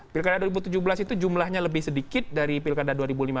pilkada dua ribu tujuh belas itu jumlahnya lebih sedikit dari pilkada dua ribu lima belas